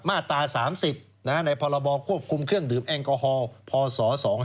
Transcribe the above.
มาตรา๓๐ในพรบควบคุมเครื่องดื่มแอลกอฮอล์พศ๒๕๖